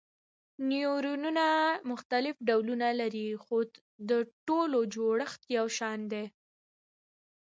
نیورونونه مختلف ډولونه لري خو د ټولو جوړښت یو شان دی.